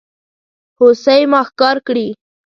هوسۍ ما ښکار کړي